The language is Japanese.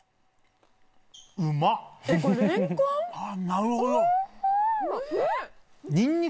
なるほど！